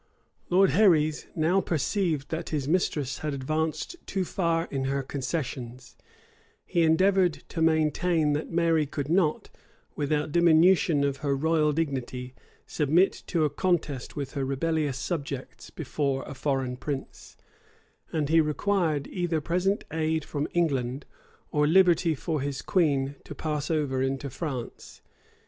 [] Lord Herreis now perceived that his mistress had advanced too far in her concessions: he endeavored to maintain, that Mary could not, without diminution of her royal dignity, submit to a contest with her rebellious subjects before a foreign prince: and he required either present aid from England, or liberty for his queen to pass over into France.